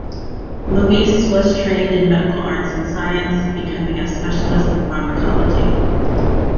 Louis was trained in medical arts and science, becoming a specialist in pharmacology.